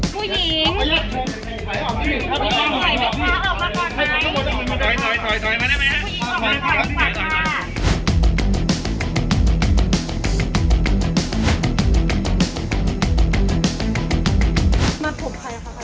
ผู้หญิงออกมาก่อนไหมถอยถอยถอยมาได้ไหมฮะ